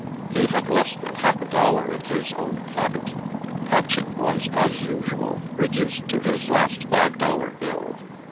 He had less than half a dollar in his own pocket. Patching was, as usual, reduced to his last five dollar bill.